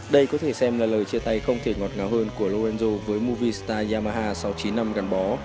đây có thể xem là lời chia tay không thể ngọt ngào hơn của loendo với movista yamaha sau chín năm gắn bó